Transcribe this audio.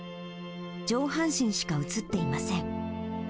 上半身しか写っていません。